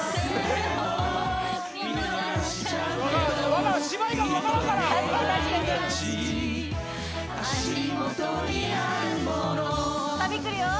分からん芝居かも分からんから・サビくるよ